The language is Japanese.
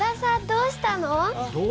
どうした？